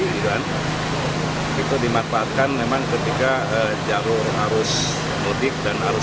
itu dimanfaatkan memang ketika jalur arus mudik dan arus